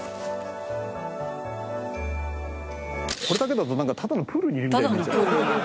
これだけだとなんかただのプールにいるみたいに見えちゃう。